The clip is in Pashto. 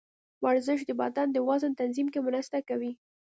ورزش د بدن د وزن تنظیم کې مرسته کوي.